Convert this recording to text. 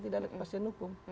tidak ada kepasien hukum